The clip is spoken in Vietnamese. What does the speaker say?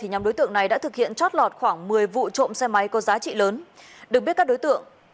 nhóm đối tượng này đã thực hiện trót lọt khoảng một mươi vụ trộm xe máy có giá trị lớn